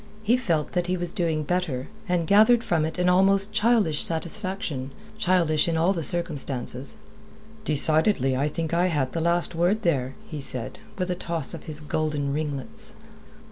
He felt that he was doing better, and gathered from it an almost childish satisfaction childish in all the circumstances. "Decidedly I think I had the last word there," he said, with a toss of his golden ringlets.